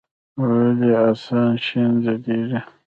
ولي اسمان شين ځليږي؟